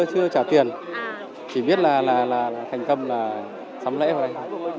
chưa trả tiền chỉ biết là thành tâm là sắm lễ thôi